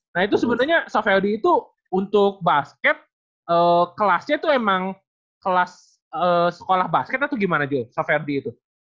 nah itu sebenernya soferdi itu untuk basket kelasnya tuh emang kelas sekolah basket atau gimana jho soferdi itu